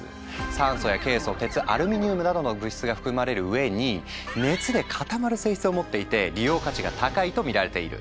酸素やケイ素鉄アルミニウムなどの物質が含まれるうえに熱で固まる性質を持っていて利用価値が高いとみられている。